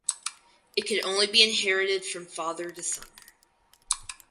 It could only be inherited from father to son.